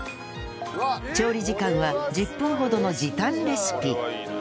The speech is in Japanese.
調理時間は１０分ほどの時短レシピ